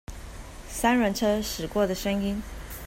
三輪車駛過的聲音